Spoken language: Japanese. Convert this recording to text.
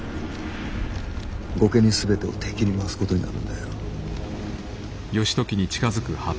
御家人全てを敵に回すことになるんだよ。